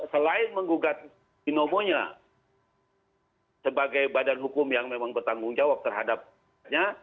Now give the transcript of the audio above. selain menggugat binomonya sebagai badan hukum yang memang bertanggung jawab terhadapnya